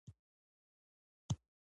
ایا والونه مو بدل کړي دي؟